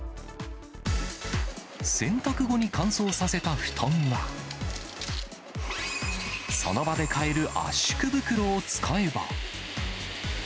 洗濯後に乾燥させた布団は、その場で買える圧縮袋を使えば。